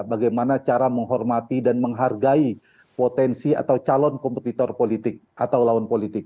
bagaimana cara menghormati dan menghargai potensi atau calon kompetitor politik atau lawan politik